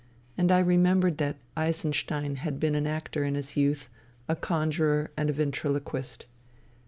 And I remembered that Eisenstein had been an actor in his youth, a conjurer and ventriloquist.